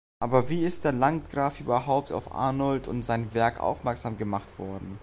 Aber wie ist der Landgraf überhaupt auf Arnold und sein Werk aufmerksam gemacht worden?